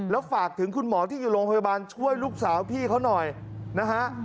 แล้วฝากถึงคุณหมอที่อยู่โรงพยาบาลช่วยลูกสาวพี่เขาหน่อยนะฮะ